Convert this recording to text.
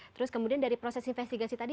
terus kemudian dari proses investigasi tadi